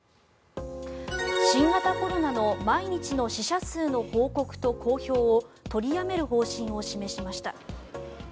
新型コロナの毎日の死者数の報告と公表を取りやめる方針を示しました。